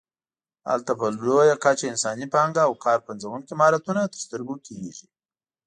هلته په لویه کچه انساني پانګه او کار پنځوونکي مهارتونه تر سترګو کېږي.